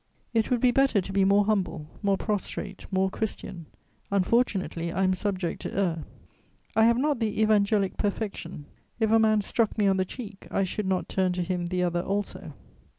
It would be better to be more humble, more prostrate, more Christian. Unfortunately I am subject to err; I have not the evangelic perfection: if a man struck me on the cheek, I should not turn to him the other also.